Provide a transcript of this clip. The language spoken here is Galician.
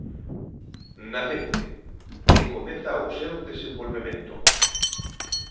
Nacente: Que comeza o seu desenvolvemento.